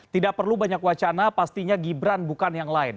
tidak perlu banyak wacana pastinya gibran bukan yang lain